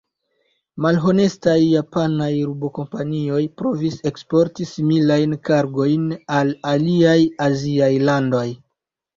Malhonestaj japanaj rubo-kompanioj provis eksporti similajn kargojn al aliaj aziaj landoj.